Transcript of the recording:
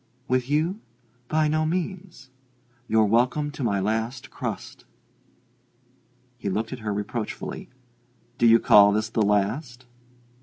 "With you? By no means. You're welcome to my last crust." He looked at her reproachfully. "Do you call this the last?"